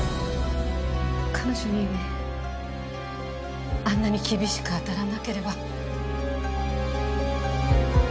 彼女にあんなに厳しく当たらなければ。